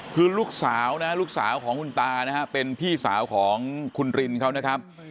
คือลูกสาวนะลูกสาวของคุณตานะฮะเป็นพี่สาวของคุณรินเขานะครับ